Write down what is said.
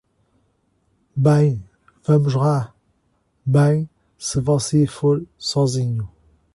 Bem, vamos lá, bem, se você for sozinho.